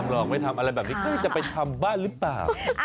ไม่ทำอะไรแบบนี้เดี๋ยวจะไปทำบ้าหรือเปล่า